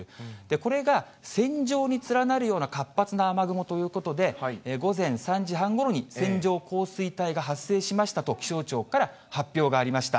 これが線状に連なるような活発な雨雲ということで、午前３時半ごろに、線状降水帯が発生しましたと気象庁から発表がありました。